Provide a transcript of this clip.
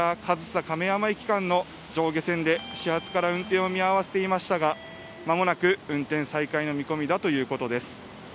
上総亀山駅間の上下線で始発から運転を見合わせていましたが間もなく運転再開の見込みだということです。